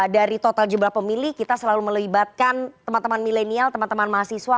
dari total jumlah pemilih kita selalu melibatkan teman teman milenial teman teman mahasiswa